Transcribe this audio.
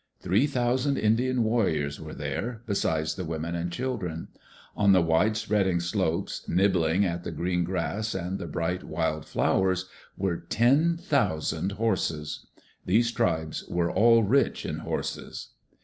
Three thousand Indian warriors were there, besides the women and children. On the wide spreading slopes, nibbling at the green grass and the bright wild flowers, were ten thousand horses. These tribes were all rich in horses.